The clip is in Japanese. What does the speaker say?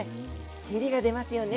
照りが出ますよね